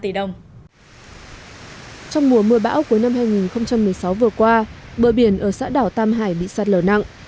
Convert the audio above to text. trong mùa mưa bão cuối năm hai nghìn một mươi sáu vừa qua bờ biển ở xã đảo tam hải bị sạt lở nặng